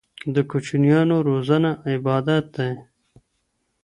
د کوچنيانو روزنه عبادت دی.